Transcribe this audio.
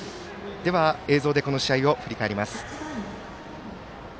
映像で、この試合を振り返ります。